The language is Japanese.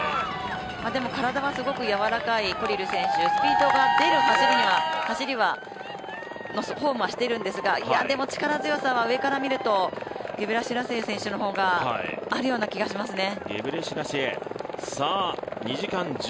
でも、体はすごいやわらかいコリル選手スピードが出る走りのフォームはしているんですがでも力強さは上から見るとゲブレシラシエ選手の方があるような気がしますね。